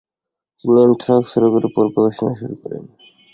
তিনি অ্যানথ্রাক্স রোগের উপরে গবেষণা শুরু করেন।